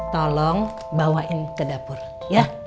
tolong bawain ke dapur ya